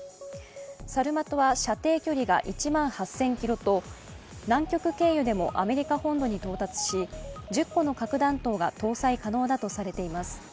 サルマトは、射程距離が１万８０００ｋｍと、南極経由でもアメリカ本土に到達し、１０個の核弾頭が搭載可能だとされています。